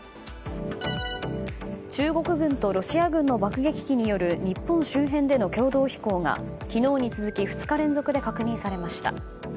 中国軍とロシア軍の爆撃機による、日本周辺での共同飛行が昨日に続き２日連続で確認されました。